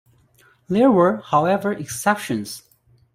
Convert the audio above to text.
There were, however, exceptions.